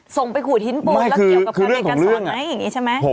ส่งไปขูดหินปูนแล้วเกี่ยวกับเขาในการสอนไหม